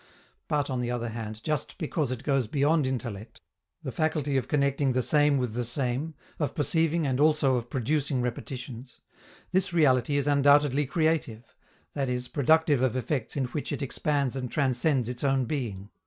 But, on the other hand, just because it goes beyond intellect the faculty of connecting the same with the same, of perceiving and also of producing repetitions this reality is undoubtedly creative, i.e. productive of effects in which it expands and transcends its own being.